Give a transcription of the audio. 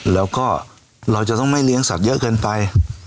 แล้วก็เราจะต้องไม่เลี้ยงสัตว์เยอะเกินไป